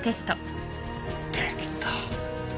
できた。